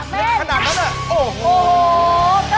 ขนาดนั้นโอ้โหโอ้โห